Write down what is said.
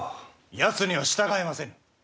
やつには従えませぬ。